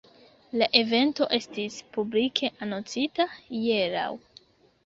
La evento estis publike anoncita hieraŭ.